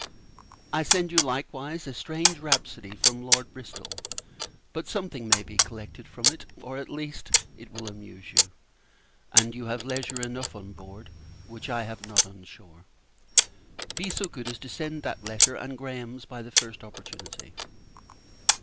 I send you, likewise, a strange rhapsody from Lord Bristol: but something may be collected from it; or, at least, it will amuse you, and you have leisure enough on board, which I have not on shore. Be so good as to send back that letter, and Graham's, by the first opportunity.